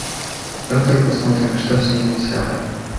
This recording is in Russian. Завтра посмотрим, что с ним сделаем.